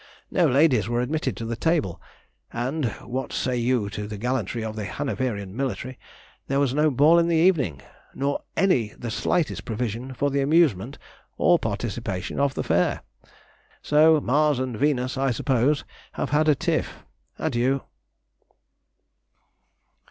No ladies were admitted to the table, and (what say you to the gallantry of the Hanoverian military?) there was no ball in the evening, nor any the slightest provision for the amusement or participation of the fair. So Mars and Venus, I suppose, have had a "tiff!" Adieu.